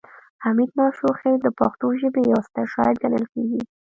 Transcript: حمید ماشوخیل د پښتو ژبې یو ستر شاعر ګڼل کیږي